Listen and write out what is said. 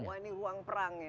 wah ini ruang perang ya